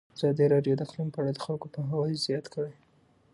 ازادي راډیو د اقلیم په اړه د خلکو پوهاوی زیات کړی.